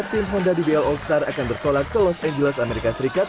tim honda dbl all star akan bertolak ke los angeles amerika serikat